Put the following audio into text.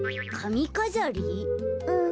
うん。